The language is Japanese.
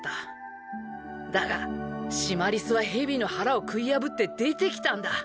だがシマリスは蛇の腹を食い破って出てきたんだ。